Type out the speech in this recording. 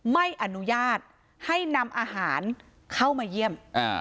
ไม่อนุญาตให้นำอาหารเข้ามาเยี่ยม